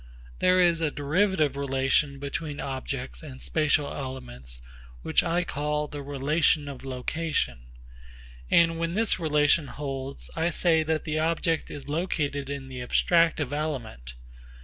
There is a derivative relation between objects and spatial elements which I call the relation of location; and when this relation holds, I say that the object is located in the abstractive element.